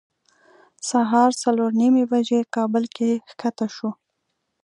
سهار څلور نیمې بجې کابل کې ښکته شوو.